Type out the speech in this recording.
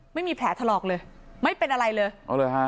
ไม่มีแผลถลอกเลยไม่เป็นอะไรเลยอ๋อเลยฮะ